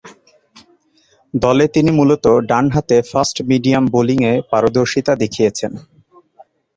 দলে তিনি মূলতঃ ডানহাতে ফাস্ট-মিডিয়াম বোলিংয়ে পারদর্শিতা দেখিয়েছেন।